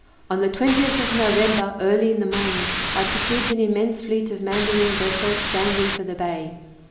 On the 20th of November, early in the morning, I perceived an immense fleet of mandarine vessels standing for the bay.